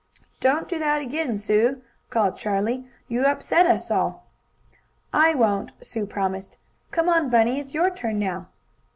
"Don't do that again, Sue!" called Charlie, "You upset us all." "I won't," Sue promised. "Come on, Bunny. It's your turn now."